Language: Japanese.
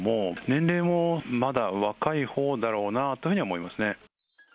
年齢も、まだ若いほうだろうなというふうに思いますね。